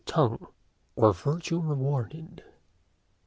TUNG; OR, VIRTUE REWARDED.